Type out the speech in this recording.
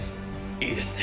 いいですね？